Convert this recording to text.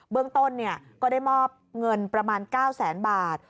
เรื่องต้นก็ได้มอบเงินประมาณ๙แสนบาท